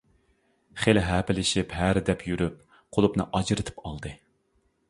خېلى ھەپىلىشىپ، ھەرىدەپ يۈرۈپ قۇلۇپنى ئاجرىتىپ ئالدى.